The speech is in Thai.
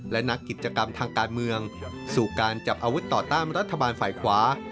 และนักกิจกรรมทางการเมืองสู่การจับอาวุธต่อต้านรัฐบาลฝ่ายขวา